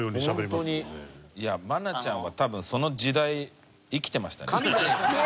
愛菜ちゃんは多分その時代生きてましたね。